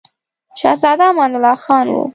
شهزاده امان الله خان وو.